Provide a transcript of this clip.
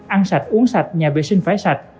ăn sạch uống sạch nhà vệ sinh phải sạch